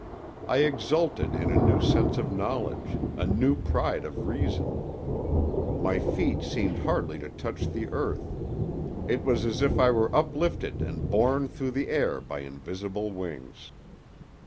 I exulted in a new sense of knowledge, a new pride of reason. My feet seemed hardly to touch the earth; it was as if I were uplifted and borne through the air by invisible wings.